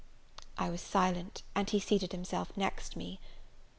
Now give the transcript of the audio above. I was silent, and he seated himself next me.